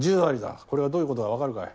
これがどういう事かわかるかい。